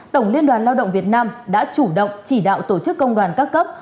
tổng liên đoàn lao động việt nam đã chủ động chỉ đạo tổ chức công đoàn các cấp